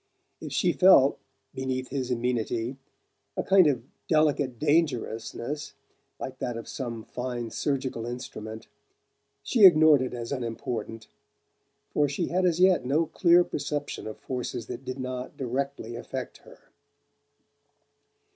If she felt, beneath his amenity, a kind of delicate dangerousness, like that of some fine surgical instrument, she ignored it as unimportant; for she had as yet no clear perception of forces that did not directly affect her.